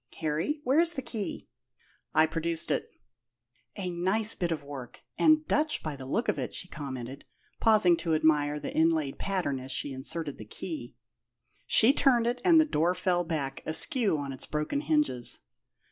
Harry, where's the key?" I produced it. "A nice bit of work and Dutch, by the look of it," she commented, pausing to admire the inlaid pattern as she inserted the key. She turned it, and the door fell back, askew on its broken hinges.